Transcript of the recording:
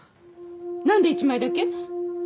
なんで１枚だけ？